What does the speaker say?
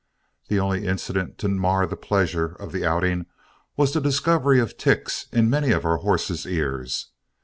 The only incident to mar the pleasure of the outing was the discovery of ticks in many of our horses' ears.